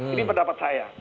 ini pendapat saya